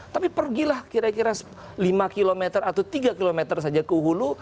tapi pergilah kira kira lima km atau tiga km saja ke hulu